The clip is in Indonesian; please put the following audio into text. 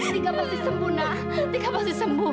tika pasti sembuh nak tika pasti sembuh